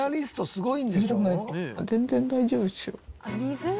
すごい。